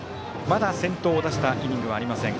まだ先頭を出したイニングはありません